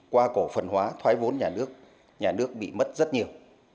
qua cổ phần hóa thoái vốn nhà nước nhà nước bị mất rất nhiều